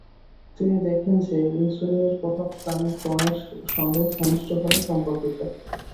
তিনি দেখেন যে ইনসুলিনের প্রভাব প্রাণীর রঙের সঙ্গে ঘনিষ্ঠভাবে সম্পর্কিত।